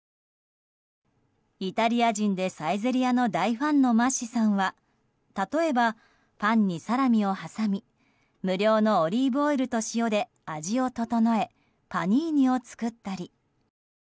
イタリア人で、サイゼリヤの大ファンのマッシさんは例えば、パンにサラミを挟み無料のオリーブオイルと塩で味を調えパニーニを作ったり。